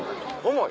重い？